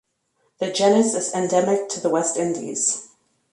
The genus is endemic to the West Indies.